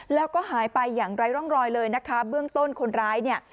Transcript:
แล้วก็หายไปอย่างไร้ร่องรอยเลยนะคะเบื้องต้นคนร้ายเนี่ย